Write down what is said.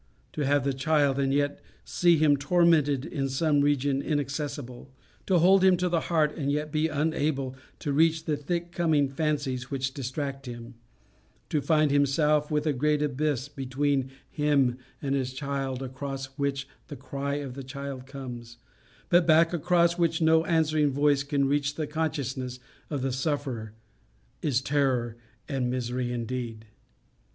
To have the child, and yet see him tormented in some region inaccessible; to hold him to the heart and yet be unable to reach the thick coming fancies which distract him; to find himself with a great abyss between him and his child, across which the cry of the child comes, but back across which no answering voice can reach the consciousness of the sufferer is terror and misery indeed.